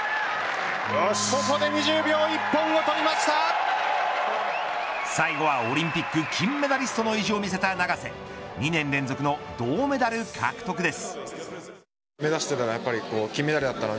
ここで２０秒最後はオリンピック金メダリストの意地を見せた永瀬２年連続の銅メダル獲得です。